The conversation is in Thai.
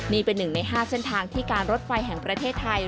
นี่เป็นหนึ่งใน๕เส้นทางที่การรถไฟแห่งประเทศไทย